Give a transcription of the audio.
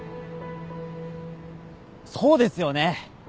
そうですよね。